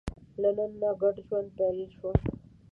له نن نه ګډ ژوند پیل شو.